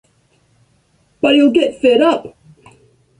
But he’ll get fed up.